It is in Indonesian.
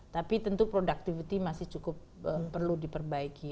tapi tentu productivity masih cukup perlu diperbaiki